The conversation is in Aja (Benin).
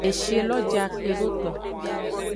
Eshi lo ja kpedo eto.